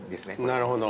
なるほど。